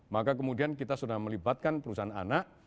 maka kemudian kita sudah melibatkan perusahaan anak